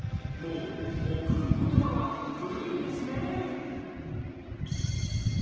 もう「贈る言葉」は古いんですね。